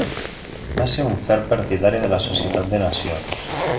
Va ser un ferm partidari de la Societat de Nacions.